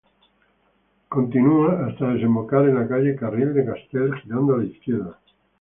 Continúa hasta desembocar en calle Carril de Castell, girando a la izquierda.